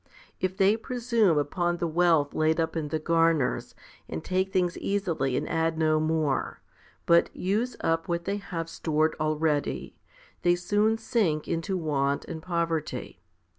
If they presume upon the wealth laid up in the garners, and take things easily and add no more, but use up what they have stored already, they soon sink into want and poverty.